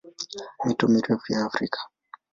Mito mirefu ya Afrika